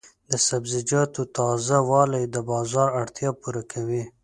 د سبزیجاتو تازه والي د بازار اړتیا پوره کوي.